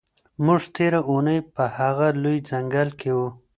موږ تېره اونۍ په هغه لوی ځنګل کې وو.